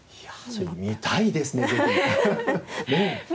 見たいですねぜひ。